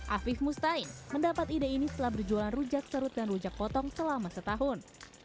afif mustain mendapat ide ini setelah berjualan rujak serut dan rujak potong selama setahun